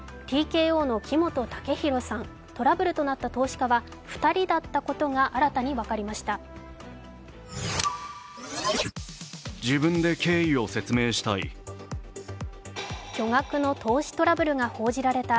ＴＫＯの木本武宏さん、トラブルとなった投資家は２人だったことが新たに分かりました。